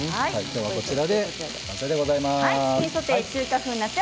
こちらで完成でございます。